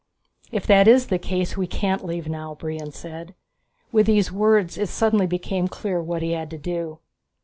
"If that is the case we can't leave now," Brion said. With these words it suddenly became clear what he had to do.